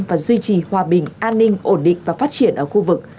và duy trì hòa bình an ninh ổn định và phát triển ở khu vực